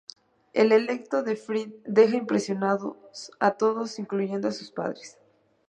El intelecto de Fred deja impresionados a todos incluyendo a sus padres.